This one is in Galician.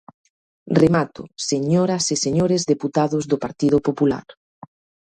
Remato, señoras e señores deputados do Partido Popular.